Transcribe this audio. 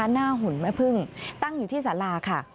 หุ่นแม่พึ่งตั้งอยู่ที่สาราค่ะ